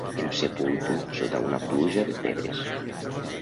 Em sepulti sota una pluja de pedres.